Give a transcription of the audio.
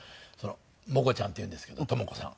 モコちゃんっていうんですけど智子さん。